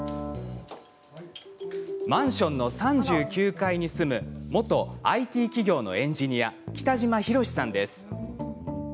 マンションの３９階に住む元ＩＴ企業のエンジニア北島弘さんです。